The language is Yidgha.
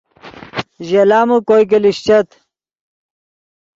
ژے لامے کوئے کہ لیشچت